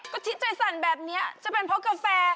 ก็ที่ใจสั่นแบบนี้จะเป็นเพราะกาแฟ